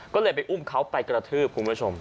ก็เลยไปอุ้มเขาไปกระทืบคุณผู้ชม